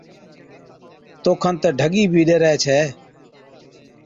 توکن تہ ڍڳِي بِي ڏَرَي ڇَي۔